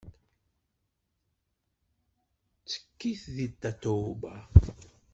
Ttekkit deg Tatoeba.